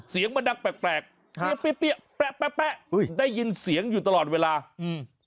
เสียงมันดักแปลกแปลกแป๊ะแป๊ะแป๊ะได้ยินเสียงอยู่ตลอดเวลาอืม